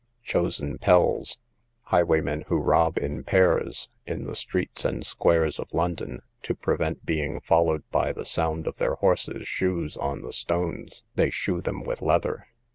Chosen Pells, highwaymen who rob in pairs, in the streets and squares of London; to prevent being followed by the sound of their horses' shoes on the stones, they shoe them with leather.